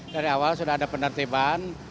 dari awal sudah ada penertiban